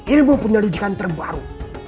ilmu penyelidikan terbaru